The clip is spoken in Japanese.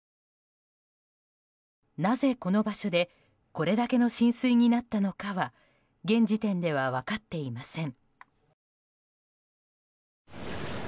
なぜ、この場所でこれだけの浸水になったのかは現時点では分かっていません。